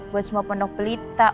buat semua penuh pelita